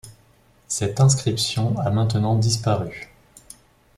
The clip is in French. Cette inscription a maintenant disparu.